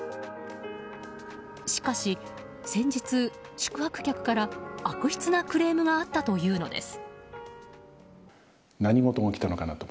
しかし先日、宿泊客から悪質なクレームがあったというのです。